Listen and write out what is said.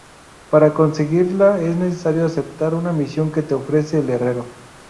Para conseguirla es necesario aceptar una misión que te ofrece el herrero.